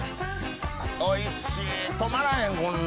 おいしい止まらへんこんな。